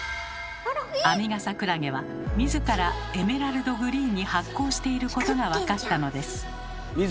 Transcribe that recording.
⁉アミガサクラゲは自らエメラルドグリーンに発光していることが分かったのです。